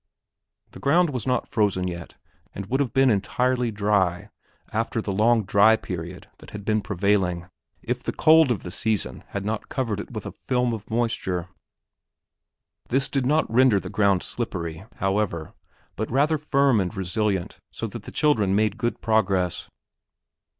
The ground was not frozen yet and would have been entirely dry, after the long dry period that had been prevailing, if the cold of the season had not covered it with a film of moisture. This did not render the ground slippery, however, but rather firm and resilient so that the children made good progress.